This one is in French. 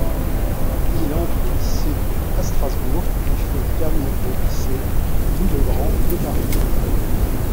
Il entre au lycée à Strasbourg puis fait khâgne au lycée Louis-le-Grand de Paris.